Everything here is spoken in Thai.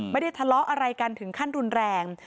ไม่ได้ทะเลาะอะไรกันถึงขั้นรุนแรง